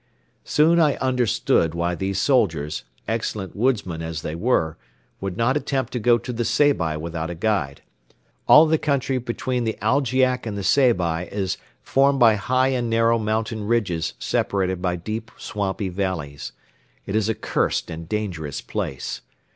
Soon I understood why these soldiers, excellent woodsmen as they were, would not attempt to go to the Seybi without a guide. All the country between the Algiak and the Seybi is formed by high and narrow mountain ridges separated by deep swampy valleys. It is a cursed and dangerous place.